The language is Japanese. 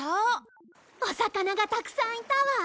お魚がたくさんいたわ。